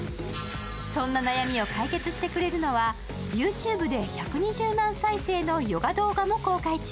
そんな悩みを解決してくれるのはＹｏｕＴｕｂｅで１２０万再生のヨガ動画を公開中